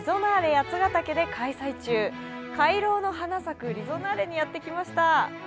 八ヶ岳で開催中、「回廊の花咲くリゾナーレ」にやってきました。